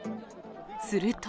すると。